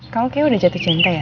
kamu kayaknya udah jadi jantai ya